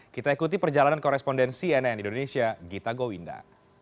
kita ikuti perjalanan korespondensi nn indonesia gita gowinda